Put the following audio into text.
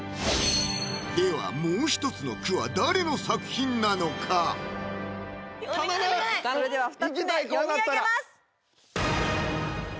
ではもう一つの句は誰の作品なのかそれでは２つ目読み上げます！